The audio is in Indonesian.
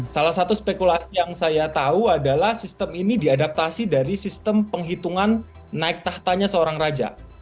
salah satu spekulasi yang saya tahu adalah sistem ini diadaptasi dari sistem penghitungan naik tahtanya seorang raja